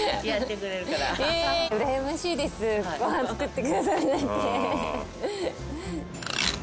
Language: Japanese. うらやましいですご飯作ってくださるなんて。